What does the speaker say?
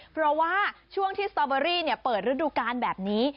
เพราะว่าช่วงที่สตอเบอรี่เปิดฤดูกาลแบบนี้